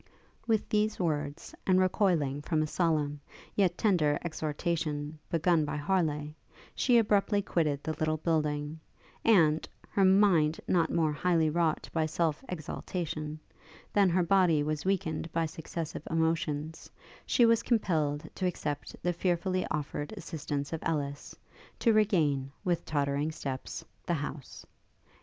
With these words, and recoiling from a solemn, yet tender exhortation, begun by Harleigh, she abruptly quitted the little building; and, her mind not more highly wrought by self exaltation, than her body was weakened by successive emotions, she was compelled to accept the fearfully offered assistance of Ellis, to regain, with tottering steps, the house.